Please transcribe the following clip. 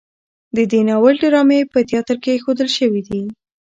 د دې ناول ډرامې په تیاتر کې ښودل شوي دي.